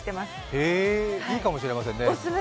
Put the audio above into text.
へえ、いいかもしれませんね